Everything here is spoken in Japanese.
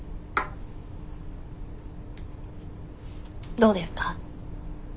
どうですか？